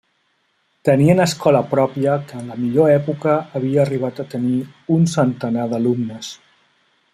Tenien escola pròpia que en la millor època havia arribat a tenir un centenar d'alumnes.